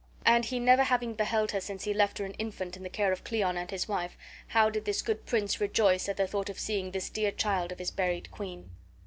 And he never having beheld her since he left her an infant in the care of Cleon and his wife, how did this good prince rejoice at the thought of seeing this dear child of his buried queen!